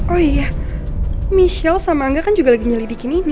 oh iya michelle sama angga kan juga lagi nyelidikin ini